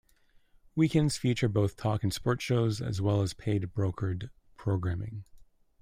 Weekends feature both talk and sports shows, as well as paid brokered programming.